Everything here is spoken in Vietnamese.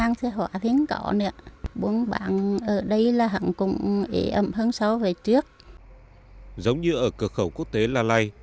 giống như ở cửa khẩu quốc tế la lây